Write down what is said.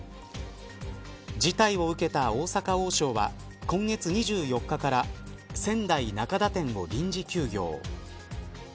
事態を受けた大阪王将は今月２４日から仙台中田店を臨時休業。